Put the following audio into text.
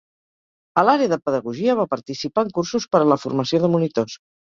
A l'àrea de Pedagogia, va participar en Cursos per a la Formació de Monitors.